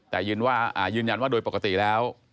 แต่ยืนยันว่าโดยปกติแล้ว